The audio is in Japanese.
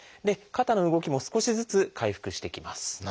肩の動きも少しずつ回復してきます。